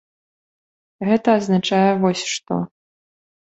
Гэта азначае вось што.